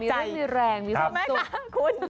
มีเรื่องมีแรงมีความสุข